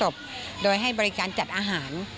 ผู้ที่มาร่วมงานพระศพโดยให้บริการจัดอาหาร